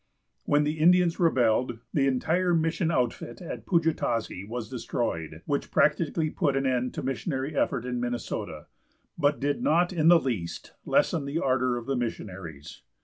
When the Indians rebelled, the entire mission outfit at Pajutazee was destroyed, which practically put an end to missionary effort in Minnesota, but did not in the least lessen the ardor of the missionaries.